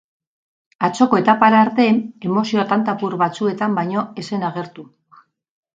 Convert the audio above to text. Atzoko etapara arte, emozioa tanta apur batzuetan baino ez zen agertu.